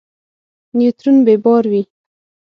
نیوترون بې بار وي.